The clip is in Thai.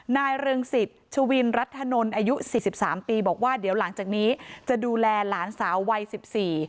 เรืองสิทธิ์ชวินรัฐนนท์อายุสี่สิบสามปีบอกว่าเดี๋ยวหลังจากนี้จะดูแลหลานสาววัยสิบสี่